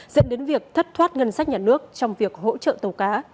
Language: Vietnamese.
dẫn đến việc thất thoát ngân sách nhà nước trong việc hỗ trợ tàu cá